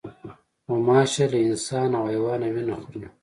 غوماشه له انسان او حیوانه وینه خوري.